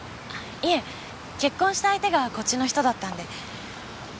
いえ結婚した相手がこっちの人だったんで。